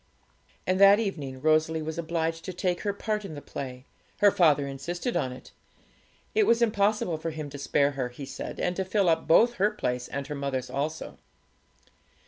And that evening Rosalie was obliged to take her part in the play; her father insisted on it; it was impossible for him to spare her, he said, and to fill up both her place and her mother's also.